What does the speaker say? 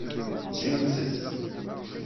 Ǧǧemt-t.